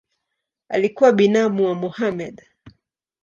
Alikuwa binamu wa Mohamed.